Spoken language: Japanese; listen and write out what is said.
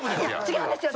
違うんですよ。